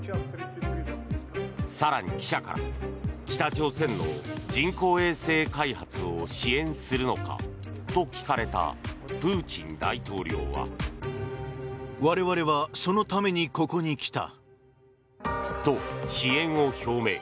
更に、記者から北朝鮮の人工衛星開発を支援するのかと聞かれたプーチン大統領は。と、支援を表明。